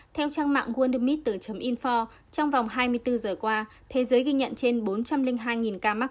theo trang mạng wundermilk info trong vòng hai mươi bốn giờ qua thế giới ghi nhận trên bốn trăm linh hai ca mắc